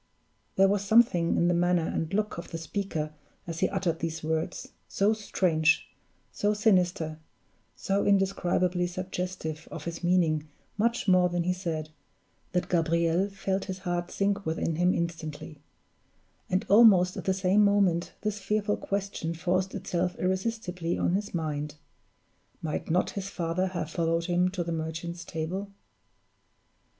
There was something in the manner and look of the speaker as he uttered these words, so strange, so sinister, so indescribably suggestive of his meaning much more than he said, that Gabriel felt his heart sink within him instantly; and almost at the same moment this fearful question forced itself irresistibly on his mind: might not his father have followed him to the Merchant's Table?